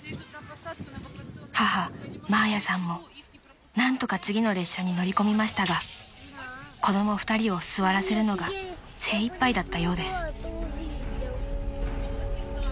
［母マーヤさんも何とか次の列車に乗り込みましたが子供２人を座らせるのが精いっぱいだったようです］